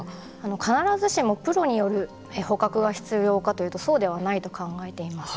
必ずしもプロによる捕獲が必要かというとそうではないと考えています。